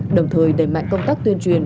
đồng thời đẩy mạnh công tác tuyên truyền